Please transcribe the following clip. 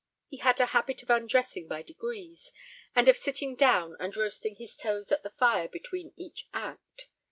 He had a habit of undressing by degrees, and of sitting down and roasting his toes at the fire between each act.